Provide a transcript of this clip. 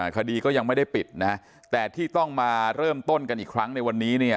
คดีก็ยังไม่ได้ปิดนะฮะแต่ที่ต้องมาเริ่มต้นกันอีกครั้งในวันนี้เนี่ย